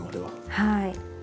はい。